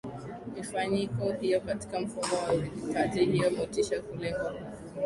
mifanyiko hiyo katika mfumo wa uridhikaji hiyo motisha hulengwa kwa